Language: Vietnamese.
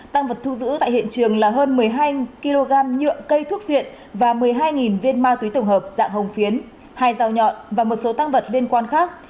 tăng vật thu giữ tại hiện trường là hơn một mươi hai kg nhựa cây thuốc viện và một mươi hai viên ma túy tổng hợp dạng hồng phiến hai dao nhọn và một số tăng vật liên quan khác